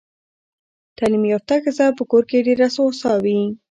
تعلیم یافته ښځه په کور کې ډېره هوسا وي.